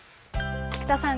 菊田さん